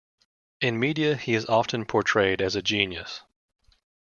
In media, he is often portrayed as a "genius".